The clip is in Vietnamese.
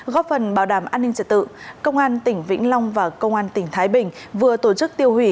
góp phần bảo đảm an ninh trật tự công an tỉnh vĩnh long và công an tỉnh thái bình vừa tổ chức tiêu hủy